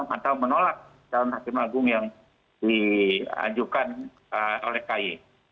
atau menolak dalam hakim agung yang diajukan oleh kaye